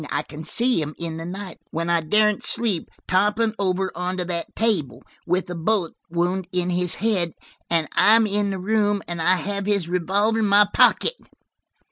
I can see him, in the night, when I daren't sleep, toppling over on to that table, with a bullet wound in his head, and I am in the room, and I have his revolver in my pocket!"